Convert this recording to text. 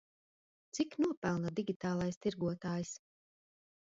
Cik nopelna digitālais tirgotājs?